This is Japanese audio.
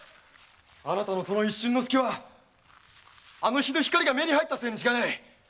あなたの一瞬のスキは日の光が目に入ったせいに違いない。